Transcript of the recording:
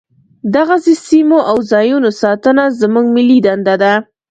دغسې سیمو او ځاینونو ساتنه زموږ ملي دنده ده.